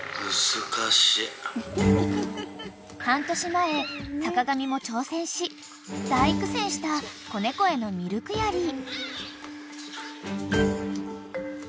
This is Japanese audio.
［半年前坂上も挑戦し大苦戦した子猫へのミルクやり］